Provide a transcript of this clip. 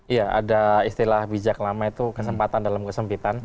iya ada istilah bijak lama itu kesempatan dalam kesempitan